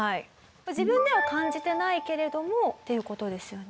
これ自分では感じてないけれどもっていう事ですよね？